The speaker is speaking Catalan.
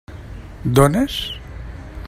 Dones?